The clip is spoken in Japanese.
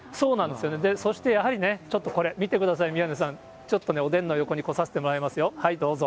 そしてやはりね、ちょっとこれ、見てください、宮根さん、ちょっとね、おでんの横に来させてもらいますよ、はい、どうぞ。